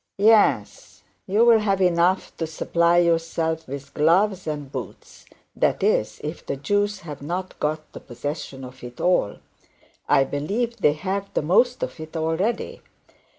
'Yes you'll have enough to supply yourself with gloves and boots; that is, if the Jews have not got the possession of it all. I believe they have the most of it already.